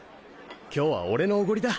今日は俺のおごりだ。